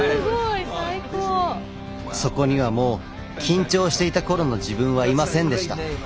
そこにはもう緊張していた頃の自分はいませんでした。